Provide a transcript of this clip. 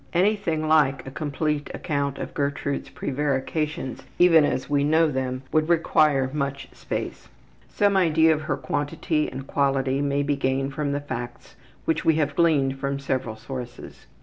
Anything like a complete account of Gertrude's prevarications, even as we know them, would require much space. Some idea of their quantity and quality may be gained from the facts which we have gleaned from several sources.